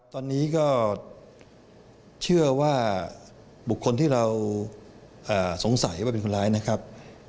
ตอนนี้ก็เชื่อว่าบุคคลที่เราสงสัยว่าเป็นคนร้ายนะครับ